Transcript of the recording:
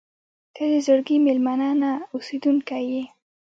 • ته د زړګي مېلمانه نه، اوسېدونکې یې.